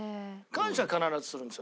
感謝は必ずするんですよ